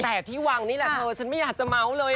แต่ที่วางนี่แหละเธอฉันไม่อยากจะเมาส์เลย